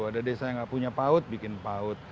ada desa yang nggak punya paut bikin paut